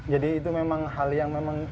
jadi itu memang hal yang